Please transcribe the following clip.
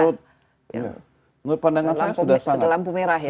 menurut pandangan publik sudah lampu merah ya